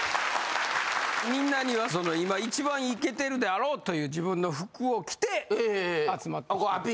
みんなには今一番イケてるであろうという自分の服を着て集まって。